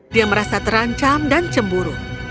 dia merasa terancam dan cemburu